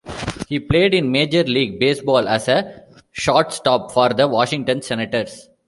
He played in Major League Baseball as a shortstop for the Washington Senators.